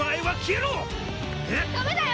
ダメだよ！